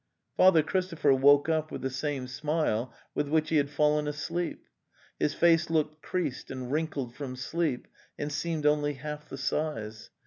Father Christopher woke up with the same smile with which he had fallen asleep; his face looked creased and wrinkled from sleep, and seemed only half the size.